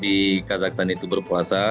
di kazakhstan itu berpuasa